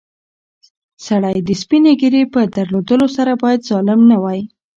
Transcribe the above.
سړی د سپینې ږیرې په درلودلو سره باید ظالم نه وای.